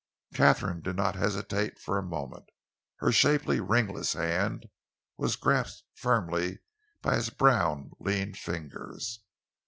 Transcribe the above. Katharine did not hesitate for a moment. Her shapely, ringless hand was grasped firmly by his brown, lean fingers.